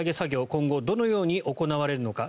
今後、どのように行われるのか。